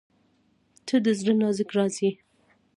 • ته د زړه نازک راز یې.